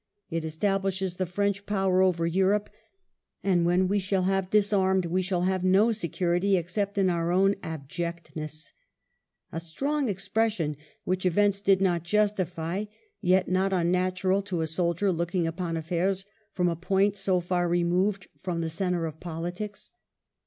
"It establishes the French power over Europe, and when we shall have disarmed we shall have no security except in our own abjectness ;'' a strong expression which events did not justify, yet not unnatural to a soldier looking upon affairs from a point so far removed from the centre of politics.